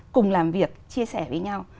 cùng làm việc chia sẻ với nhau